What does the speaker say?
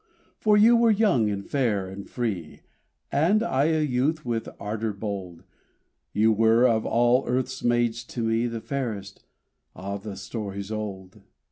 For you were young, and fair, and free, And I a youth with ardor bold; You were, of all earth's maids, to me The fairest ah, the story's old!